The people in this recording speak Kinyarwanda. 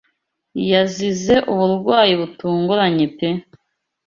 Yazize uburwayi bitunguranye pe